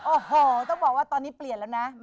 โอ้โหต้องบอกว่าตอนนี้เปลี่ยนแล้วนะ